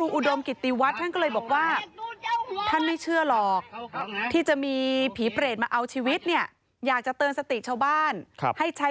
บอกว่าฉันเป็นผีเปรตอย่างนี้นะนี่ค่ะ